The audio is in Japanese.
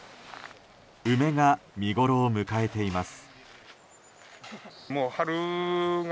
梅が見ごろを迎えています。